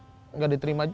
hurufnya dirima sato